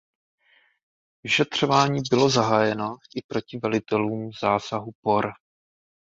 Vyšetřování bylo zahájeno i proti velitelům zásahu por.